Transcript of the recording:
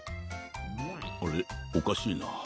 あれおかしいな？